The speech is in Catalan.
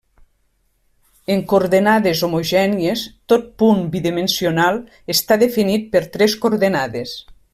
En coordenades homogènies, tot punt bidimensional està definit per tres coordenades.